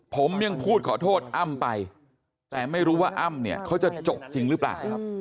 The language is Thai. ผมยังพูดขอโทษอ้ำไปแต่ไม่รู้ว่าอ้ำเนี่ยเขาจะจบจริงหรือเปล่า